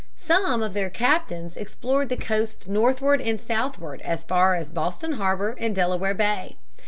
Some of their captains explored the coast northward and southward as far as Boston harbor and Delaware Bay.